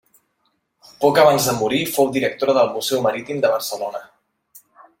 Poc abans de morir fou directora del Museu Marítim de Barcelona.